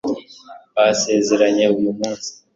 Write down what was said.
basezeranye uyu munsi